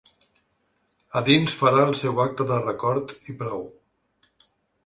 A dins farà el seu acte de record i prou.